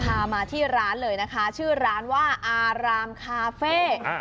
มาที่ร้านเลยนะคะชื่อร้านว่าอารามคาเฟ่